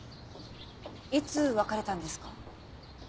いつ別れたんですか？